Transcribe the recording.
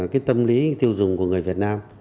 cái tâm lý tiêu dùng của người việt nam